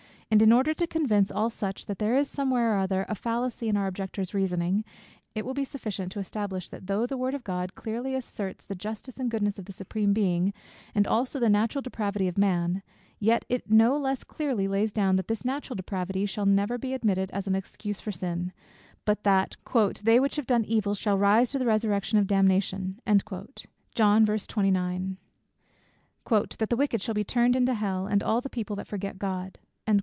And in order to convince all such that there is somewhere or other, a fallacy in our objector's reasoning, it will be sufficient to establish that though the word of God clearly asserts the justice and goodness of the Supreme Being, and also the natural depravity of man, yet it no less clearly lays down that this natural depravity shall never be admitted as an excuse for sin, but that "they which have done evil, shall rise to the resurrection of damnation." "That the wicked shall be turned into hell, and all the people that forget God."